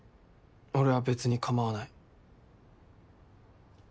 俺は別に構わない。